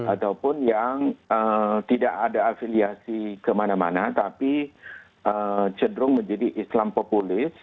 ataupun yang tidak ada afiliasi kemana mana tapi cenderung menjadi islam populis